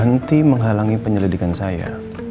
henti menghalangi penyelidikan saya